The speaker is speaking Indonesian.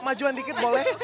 majuan dikit boleh